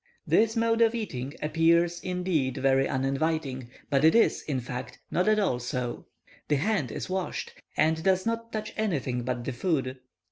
This mode of eating appears, indeed, very uninviting; but it is, in fact, not at all so; the hand is washed, and does not touch anything but the food.